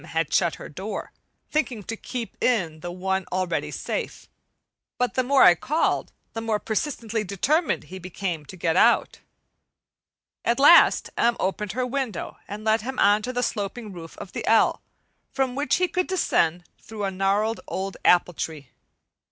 had shut her door, thinking to keep in the one already safe. But the more I called, the more persistently determined he became to get out. At last M. opened her window and let him on to the sloping roof of the "L," from which he could descend through a gnarled old apple tree.